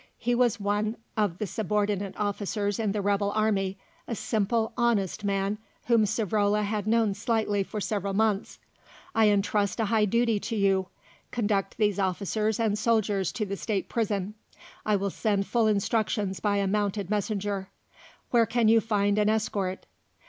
He was one of the subordinate officers in the rebel army, a simple honest man whom Savrola had known slightly for several months. "I entrust a high duty to you. Conduct these officers and soldiers to the State Prison; I will send full instructions by a mounted messenger. Where can you find an escort?"